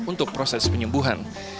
untuk proses penyembuhan